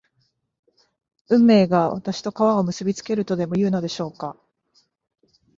運命が私と川を結びつけるとでもいうのでしょうか